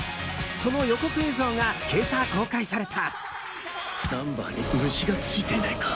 その予告映像が今朝公開された。